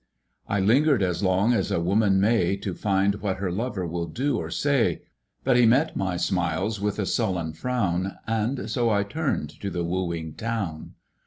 I lingered as long as a woman may To find what her lover will do or say. But he met my smiles with a sullen frown, And so I turned to the wooing Town.